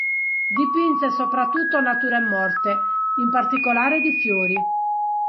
Dipinse soprattutto nature morte, in particolare di fiori.